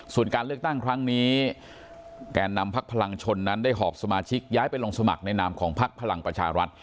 ส่วนการเลือกตั้งครั้งนี้แก่นำพักพลังชนนั้นได้หอบสมาชิกย้ายไปลงสมัครในนามของพักพลังประชารัฐ